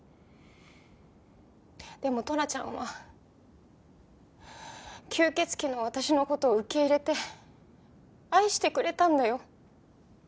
でもトラちゃんは吸血鬼の私の事を受け入れて愛してくれたんだよ。